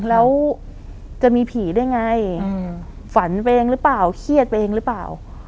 แล้วจะมีผีได้ไงฝันไปเองหรือเปล่าเครียดไปเองหรือเปล่า